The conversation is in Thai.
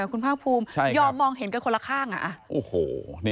คุณภาคภูมิยอมมองเห็นกันคนละข้าง